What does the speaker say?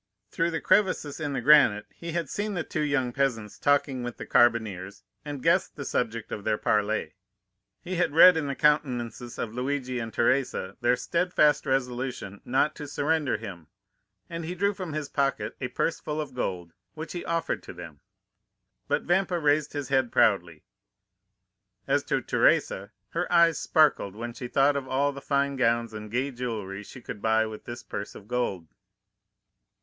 Through the crevices in the granite he had seen the two young peasants talking with the carbineers, and guessed the subject of their parley. He had read in the countenances of Luigi and Teresa their steadfast resolution not to surrender him, and he drew from his pocket a purse full of gold, which he offered to them. But Vampa raised his head proudly; as to Teresa, her eyes sparkled when she thought of all the fine gowns and gay jewellery she could buy with this purse of gold.